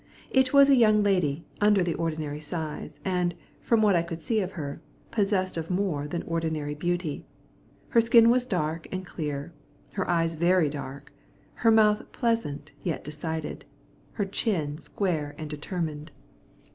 It was a young lady under the ordinary size, and, from what I could see of her, possessed of more than ordinary beauty. Her skin was dark and clear, her eyes very dark, her mouth pleasant yet decided, her chin square and determined.